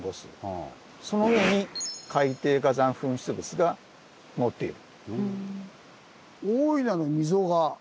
その上に海底火山噴出物がのっている。